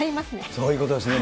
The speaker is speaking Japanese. そういうことですね。